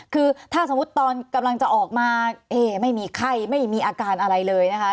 คือถ้าสมมุติตอนกำลังจะออกมาไม่มีไข้ไม่มีอาการอะไรเลยนะคะ